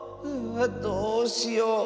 あどうしよう。